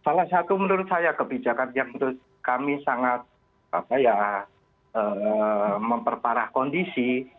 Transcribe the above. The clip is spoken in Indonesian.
salah satu menurut saya kebijakan yang menurut kami sangat memperparah kondisi